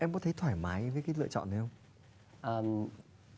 em có thấy thoải mái với cái lựa chọn này không